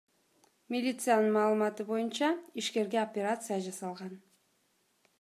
Милициянын маалыматы боюнча, ишкерге операция жасалган.